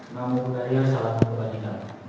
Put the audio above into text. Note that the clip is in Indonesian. namun dari yang salah